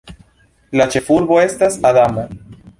La ĉefurbo estas Adamo.